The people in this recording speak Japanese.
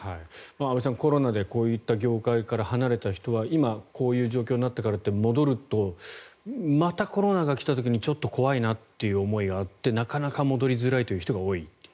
安部さん、コロナでこういった業界から離れた人は今、こういう状況になったからって戻るとまたコロナが来た時にちょっと怖いなという思いがあってなかなか戻りづらいという人が多い。